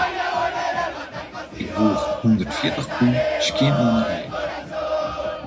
Ik woech hûndertfjirtich pûn skjin oan 'e heak.